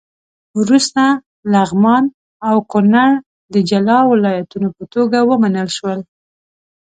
وروسته لغمان او کونړ د جلا ولایتونو په توګه ومنل شول.